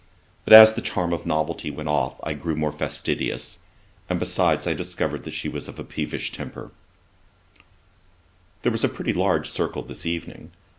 But as the charm of novelty went off, I grew more fastidious; and besides, I discovered that she was of a peevish temper. There was a pretty large circle this evening.